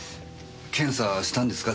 検査したんですか？